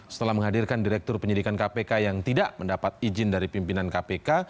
setelah menghadirkan direktur penyidikan kpk yang tidak mendapat izin dari pimpinan kpk